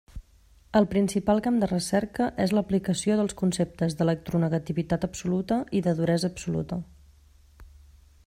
El principal camp de recerca és l'aplicació dels conceptes d'electronegativitat absoluta i de duresa absoluta.